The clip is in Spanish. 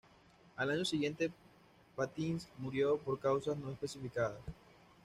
Al año siguiente Patience murió por causas no especificadas.